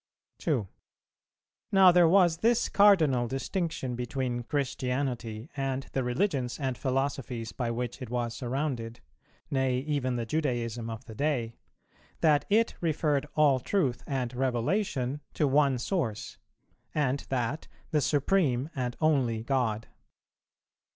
2. Now there was this cardinal distinction between Christianity and the religions and philosophies by which it was surrounded, nay even the Judaism of the day, that it referred all truth and revelation to one source, and that the Supreme and Only God.